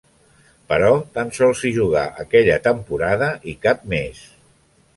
Però tan sols hi jugà aquella temporada i cap més.